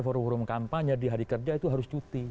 forum forum kampanye di hari kerja itu harus cuti